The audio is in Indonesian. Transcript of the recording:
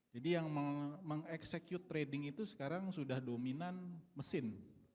jadi yang mengeksekut trading itu sekarang sudah dominan mesin